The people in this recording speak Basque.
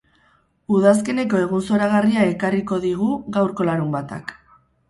Udazkeneko egun zoragarria ekarriko digu gaurko larunbatak.